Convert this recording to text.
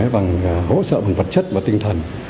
vằng hỗ trợ bằng vật chất và tinh thần